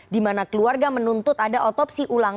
di mana keluarga menuntut ada otopsi ulang